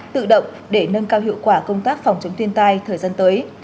tự động để nâng cao hiệu quả công tác phòng chống thiên tai thời gian tới